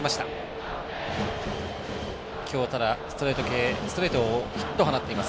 今日、ただストレートをヒットを放っています。